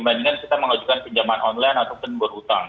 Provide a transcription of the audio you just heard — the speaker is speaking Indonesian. dibandingkan kita mengajukan pinjaman online ataupun berhutang